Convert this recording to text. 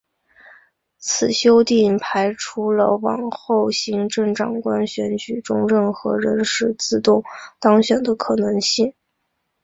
此修订排除了往后行政长官选举中任何人士自动当选的可能性。